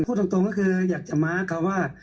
พูดตรงก็คืออยากจะมาร์คเขาว่า